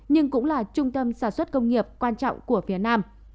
nhưng cũng là trung tâm sản xuất công nghiệp quan trọng của phía nam